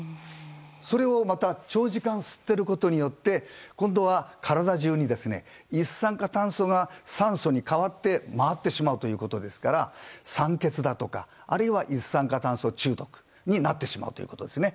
それをまた長時間吸っていることによって今度は体中に一酸化炭素が酸素に変わって回ってしまうということですから酸欠とかあるいは一酸化炭素中毒になってしまうということです。